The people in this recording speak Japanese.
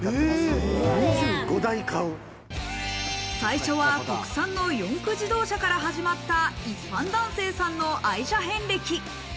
最初は国産の四駆自動車から始まった一般男性さんの愛車遍歴。